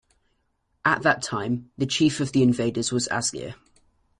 At that time, the chief of the invaders was Asgeir.